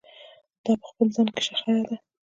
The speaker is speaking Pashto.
دا په خپل ځان کې شخړه ده.